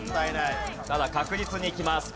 ただ確実にいきます。